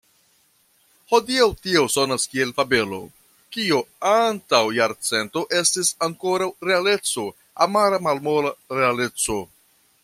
Hodiaŭ tio sonas kiel fabelo, kio antaŭ jarcento estis ankoraŭ realeco, amara malmola realeco.